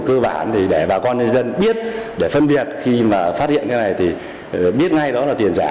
cơ bản thì để bà con nhân dân biết để phân biệt khi mà phát hiện cái này thì biết ngay đó là tiền giả